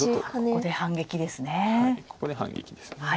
ここで反撃ですね。